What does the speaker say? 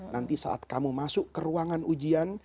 nanti saat kamu masuk ke ruangan ujian